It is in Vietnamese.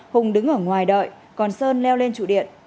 hùng đứng ở ngoài đợi còn sơn leo lên trụ điện